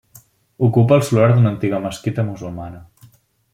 Ocupa el solar d'una antiga mesquita musulmana.